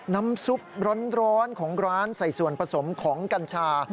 น้ำซุปร้อนของร้านใส่ส่วนผสมของกัญชา